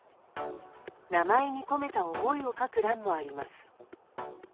名前に込めた思いを書く欄もあります。